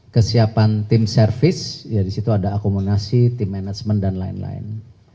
kesiapan tim service ya disitu ada akomodasi tim management dan lain lain